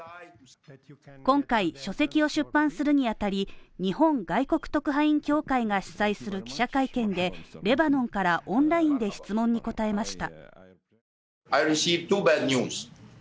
今回書籍を出版するにあたり、日本外国特派員協会が主催する記者会見で、レバノンからオンラインで質問に答えました。